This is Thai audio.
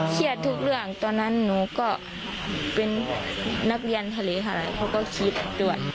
ทุกเรื่องตอนนั้นหนูก็เป็นนักเรียนทะเลอะไรเขาก็คิดด้วย